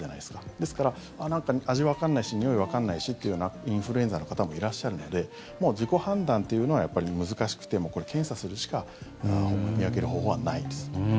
ですから、なんか味わかんないしにおいわかんないしっていうインフルエンザの方もいらっしゃるのでもう自己判断というのはやっぱり難しくてこれ、検査するしか見分ける方法はないんです。